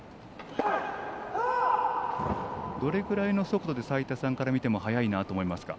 どれぐらいの速度で齋田さんから見ても速いなと思いますか。